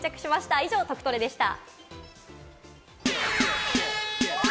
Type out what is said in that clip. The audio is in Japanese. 以上、トクトレでした。